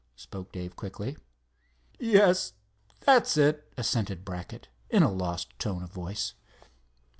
spoke Dave, quickly. "Yes, that's it," assented Brackett, in a lost tone of voice.